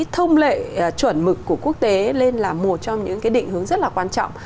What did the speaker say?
thông lệ chuẩn mực của quốc tế lên là một trong những định hướng rất là quan trọng